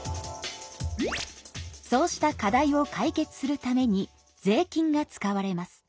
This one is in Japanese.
そうした課題を解決するために税金が使われます。